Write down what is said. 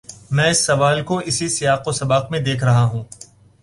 میں اس سوال کو اسی سیاق و سباق میں دیکھ رہا ہوں۔